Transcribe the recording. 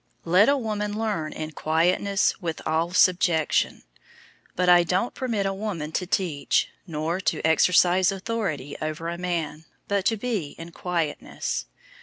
002:011 Let a woman learn in quietness with all subjection. 002:012 But I don't permit a woman to teach, nor to exercise authority over a man, but to be in quietness.